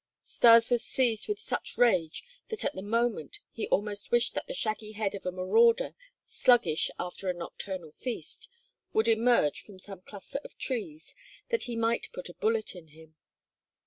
Stas was seized with such rage that at the moment he almost wished that the shaggy head of a marauder, sluggish after the nocturnal feast, would emerge from some cluster of trees that he might put a bullet in him.